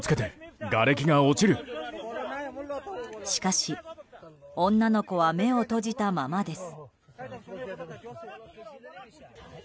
しかし女の子は目を閉じたままです。